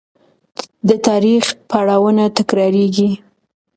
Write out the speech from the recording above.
د تاریخ پړاوونه تکرارېږي.